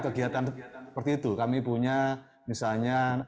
kegiatan kegiatan seperti itu kami punya misalnya